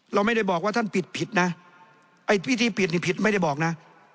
เราไม่ได้บอกว่าท่านผิดผิดนะไอ้พิธีที่ปิดนี่ผิดไม่ได้บอกนะ